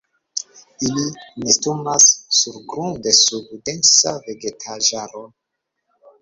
Ili nestumas surgrunde sub densa vegetaĵaro.